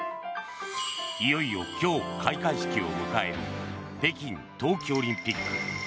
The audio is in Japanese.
いよいよ今日、開会式を迎える北京冬季オリンピック。